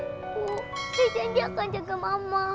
bu si intan dia akan jaga mama